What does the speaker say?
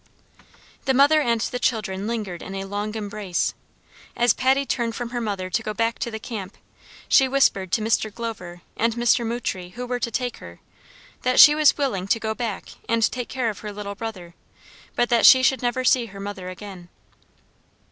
The mother and the children lingered in a long embrace. As Patty turned from her mother to go back to the camp, she whispered to Mr. Glover and Mr. Mootrey, who were to take her, that she was willing to go back and take care of her little brother, but that she should never see her mother again.